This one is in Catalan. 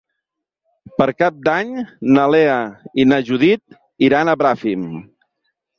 Per Cap d'Any na Lea i na Judit iran a Bràfim.